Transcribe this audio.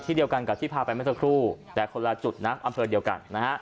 เดียวกันกับที่พาไปเมื่อสักครู่แต่คนละจุดนะอำเภอเดียวกันนะฮะ